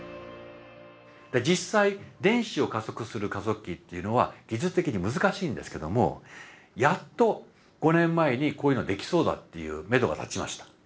実際電子を加速する加速器っていうのは技術的に難しいんですけどもやっと５年前にこういうのができそうだっていうめどが立ちました。